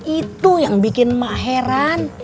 itu yang bikin mak heran